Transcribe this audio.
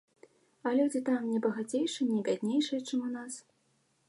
А людзі там не багацейшыя і не бяднейшыя, чым у нас.